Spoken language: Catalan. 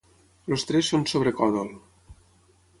Els tres són sobre còdol.